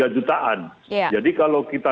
tiga jutaan jadi kalau kita